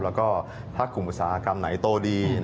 แล้วก็ถ้ากลุ่มอุตสาหกรรมไหนโตดี